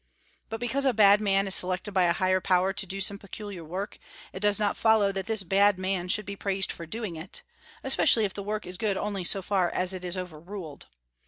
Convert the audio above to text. But because a bad man is selected by a higher power to do some peculiar work, it does not follow that this bad man should be praised for doing it, especially if the work is good only so far as it is overruled.